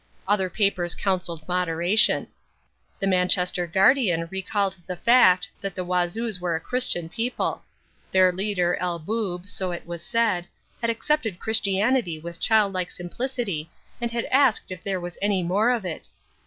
Other papers counselled moderation. The Manchester Guardian recalled the fact that the Wazoos were a Christian people. Their leader, El Boob, so it was said, had accepted Christianity with childlike simplicity and had asked if there was any more of it.